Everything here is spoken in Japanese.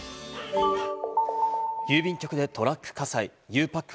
郵便局でトラック火災、ゆうパック